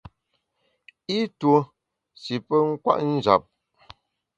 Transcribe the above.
I tuo shi pe kwet njap.